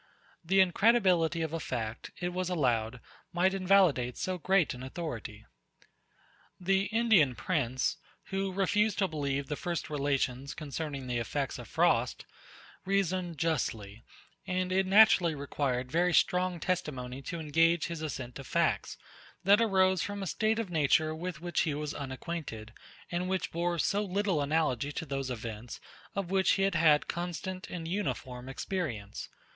The incredibility of a fact, it was allowed, might invalidate so great an authority. Plutarch, in vita Catonis. The Indian prince, who refused to believe the first relations concerning the effects of frost, reasoned justly; and it naturally required very strong testimony to engage his assent to facts, that arose from a state of nature, with which he was unacquainted, and which bore so little analogy to those events, of which he had had constant and uniform experience.